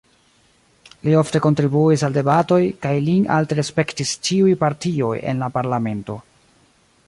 Li ofte kontribuis al debatoj, kaj lin alte respektis ĉiuj partioj en la parlamento.